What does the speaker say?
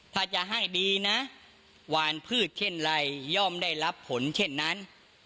ถ้าจะให้ดีนะหวานพืชเช่นไรย่อมได้รับผลเช่นนั้น